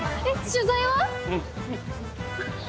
取材は？